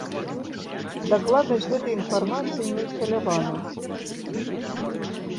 Дакладнасць гэтай інфармацыі не ўсталявана.